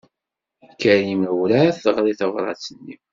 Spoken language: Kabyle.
Karima werɛad teɣri tabṛat-nni.